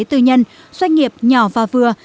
tư nhân doanh nghiệp nhỏ và vừa